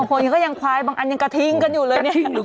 แบบยังมาโพยก็ยังควายบางอันยังกระทิงกันอยู่เลยเนี้ยกระทิงหรือ